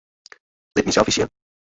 Lit myn selfies sjen.